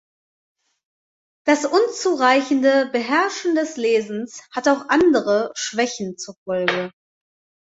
Das unzureichende Beherrschen des Lesens hat auch andere Schwächen zur Folge.